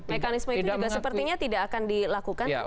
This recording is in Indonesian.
mekanisme itu juga sepertinya tidak akan dilakukan